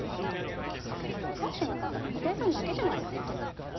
わかってなかったの布袋さんだけじゃないかな？